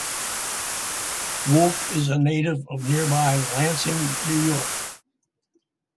Wolf is a native of nearby Lansing, New York.